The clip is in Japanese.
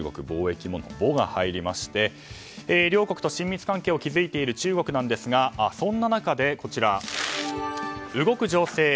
貿易もの「ボ」が入りまして両国と親密関係を築いている中国ですがそんな中でこちら、動く情勢。